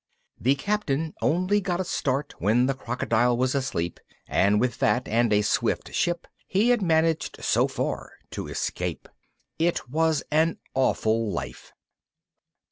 The Captain only got a start when the crocodile was asleep, and with that and a swift ship he had managed so far to escape. It was an awful life!